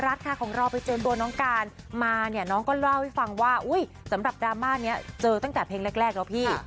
รัฐค่ะของเราไปเจอตัวน้องการมาเนี่ยน้องก็เล่าให้ฟังว่าสำหรับดราม่านี้เจอตั้งแต่เพลงแรกแล้วพี่